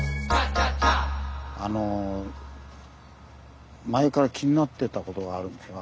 あの前から気になってたことがあるんですが。